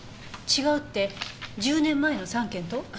違うって１０年前の３件と？